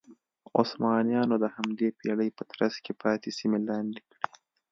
عثمانیانو د همدې پېړۍ په ترڅ کې پاتې سیمې لاندې کړې.